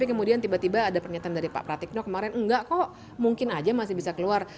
kemudian tiba tiba ada pernyataan dari pak pratikno kemarin enggak kok mungkin aja masih bisa keluar